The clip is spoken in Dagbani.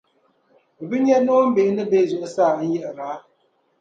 Bɛ bi nya noombihi ni be zuɣusaa n-yiɣira?